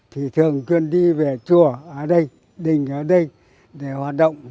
thì thường truyền đi về chùa ở đây đỉnh ở đây để hoạt động